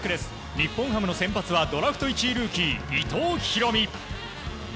日本ハムの先発はドラフト１ルーキー、伊藤大海。